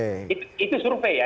itu survei ya